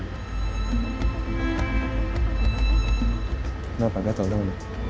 kenapa gak tau dong